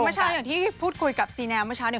เมื่อเช้าอย่างที่พูดคุยกับซีแลเมื่อเช้าเนี่ย